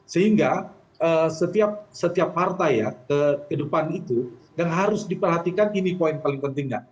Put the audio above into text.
sehingga setiap partai ya kehidupan itu yang harus diperhatikan ini poin paling pentingnya